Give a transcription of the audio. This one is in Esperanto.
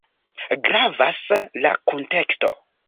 Gravas la kunteksto.